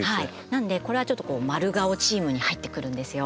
なのでこれはまるがおチームに入ってくるんですよ。